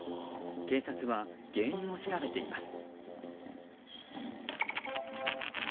警察は原因を調べています。